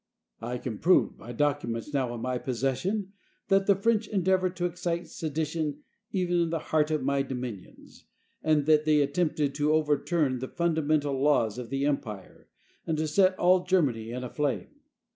I can prove, by documents now in my pos session, that the French endeavored to excite sedition even in the heart of my dominions; that they attempted to overturn the fundamental laws of the Empire, and to set all Germany in a flame.